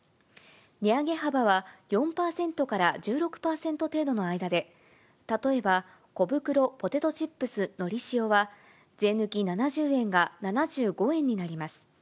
値上げ幅は４％から１６％程度の間で、例えば、小袋ポテトチップスのり塩は、税抜き７０円が７５円になります。